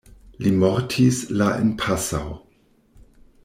Li mortis la en Passau.